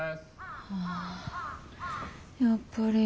あやっぱり。